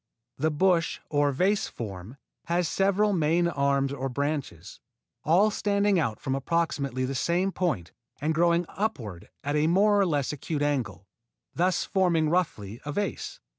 The bush or vase form has several main arms or branches, all standing out from approximately the same point and growing upward at a more or less acute angle, thus forming roughly a vase.